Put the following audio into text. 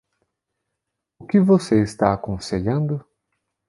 O que você está aconselhando?